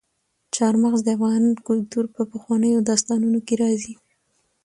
چار مغز د افغان کلتور په پخوانیو داستانونو کې راځي.